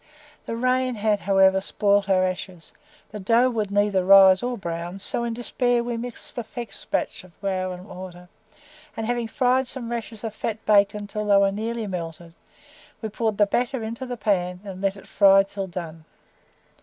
The rain had, however, spoiled our ashes, the dough would neither rise nor brown, so in despair we mixed a fresh batch of flour and water, and having fried some rashers of fat bacon till they were nearly melted, we poured the batter into the pan and let it fry till done.